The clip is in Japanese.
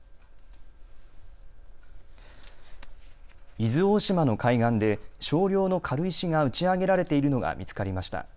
伊豆大島の海岸で少量の軽石が打ち上げられているのが見つかりました。